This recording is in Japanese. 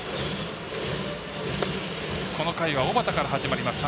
この回は小幡から始まります。